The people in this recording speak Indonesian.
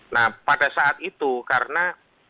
nah pada saat itu karena